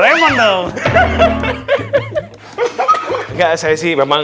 juga geler jadi